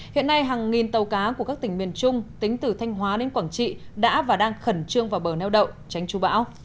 hiện nay hàng nghìn tàu cá của các tỉnh miền trung tính từ thanh hóa đến quảng trị đã và đang khẩn trương vào bờ neo đậu tránh chú bão